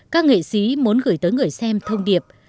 các nghệ sĩ muốn gửi tới người xem thông điệp